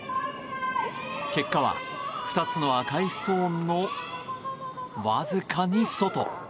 結果は、２つの赤いストーンのわずかに外。